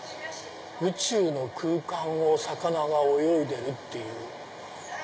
宇宙の空間を魚が泳いでるっていう。